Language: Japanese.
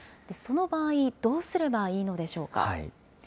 その場合、どうすればいいのでしょうか。